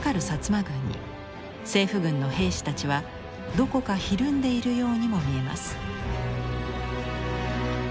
薩摩軍に政府軍の兵士たちはどこかひるんでいるようにも見えます。